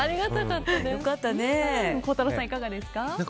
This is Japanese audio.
孝太郎さん、いかがですか？